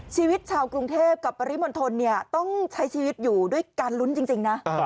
ชีวิตชาวกรุงเทพกับปริมณฑลต้องใช้ชีวิตอยู่ด้วยการลุ้นจริงนะ